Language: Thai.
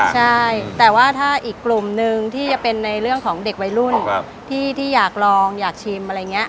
ใช่แต่ว่าถ้าอีกกลุ่มนึงที่จะเป็นในเรื่องของเด็กวัยรุ่นที่อยากลองอยากชิมอะไรอย่างนี้